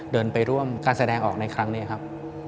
เดินไปร่วมการแสดงออกในครั้งนี้ครับ